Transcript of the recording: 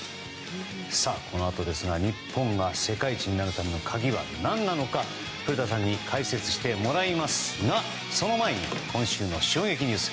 このあとですが日本が世界一になるための鍵は何なのか古田さんに解説してもらいますがその前に今週の衝撃ニュース。